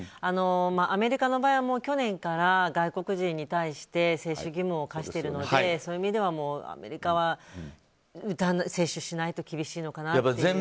アメリカの場合は去年から外国人に対して接種義務を課しているのでそういう意味ではアメリカは接種しないと厳しいのかなっていう。